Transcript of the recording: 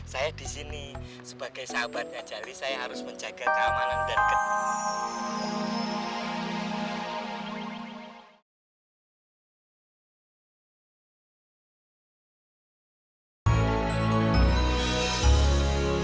saya di sini sebagai sahabatnya jali saya harus menjaga keamanan dan ketenangan